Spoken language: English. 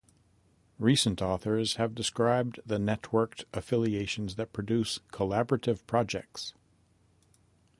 Recent authors have described the networked affiliations that produce collaborative projects.